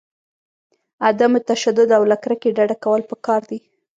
عدم تشدد او له کرکې ډډه کول پکار دي.